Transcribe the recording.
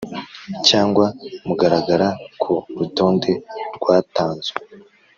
cyangwa mugaragara ku rutonde rwatanzwe